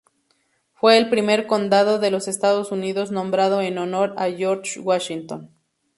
Fue el primer condado de los Estados Unidos nombrado en honor de George Washington.